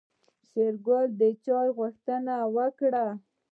شېرګل د چاي غوښتنه وکړه.